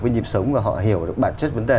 với nhịp sống và họ hiểu được bản chất vấn đề